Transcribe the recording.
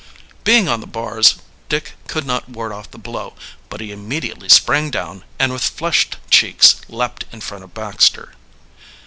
Being on the bars, Dick could not ward off the blow, but he immediately sprang down, and with flushed cheeks leaped in front of Baxter.